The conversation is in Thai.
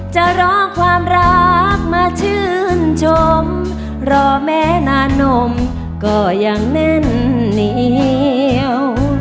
จะรอความรักมาชื่นชมรอแม่นานมก็ยังแน่นเหนียว